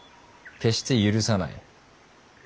決して許さない。